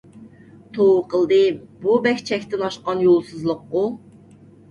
توۋا قىلدىم. بۇ بەك چەكتىن ئاشقان يولسىزلىققۇ؟